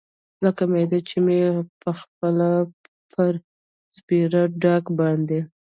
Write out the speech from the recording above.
لکه معده چې مې پخپله پر سپېره ډاګ باندې.